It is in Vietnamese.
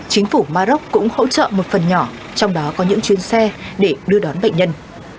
chính phủ maroc cũng hỗ trợ một phần nhỏ trong đó có những chuyến xe để đưa đón bệnh nhân